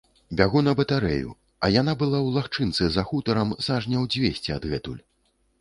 Бягу на батарэю, а яна была ў лагчынцы, за хутарам, сажняў дзвесце адгэтуль.